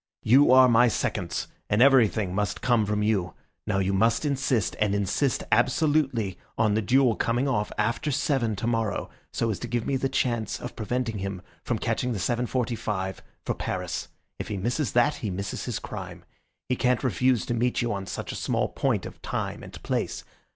You are my seconds, and everything must come from you. Now you must insist, and insist absolutely, on the duel coming off after seven tomorrow, so as to give me the chance of preventing him from catching the 7.45 for Paris. If he misses that he misses his crime. He can't refuse to meet you on such a small point of time and place.